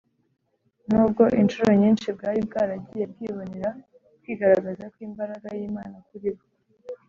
nubwo incuro nyinshi bwari bwaragiye bwibonera kwigaragaza kw’imbaraga y’imana kuri bo.